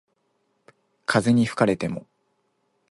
風に吹かれても